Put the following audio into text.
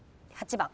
８番。